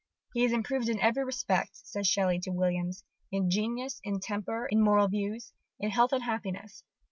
"He is improved in every respect," says Shelley to Williams, "in genius, in temper, in moral views, in health and happiness."